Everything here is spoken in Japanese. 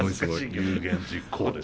有言実行です。